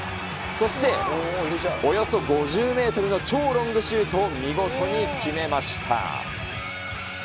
そしておよそ５０メートルの超ロングシュートを見事に決めました。